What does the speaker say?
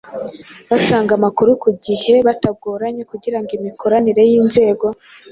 batanga amakuru ku gihe batagoranye kugira ngo imikoranire y’inzego